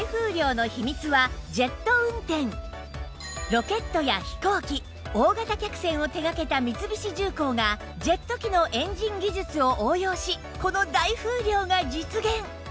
ロケットや飛行機大型客船を手掛けた三菱重工がジェット機のエンジン技術を応用しこの大風量が実現